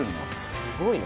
すごいな！